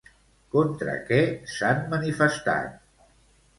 Contra què s'han manifestat?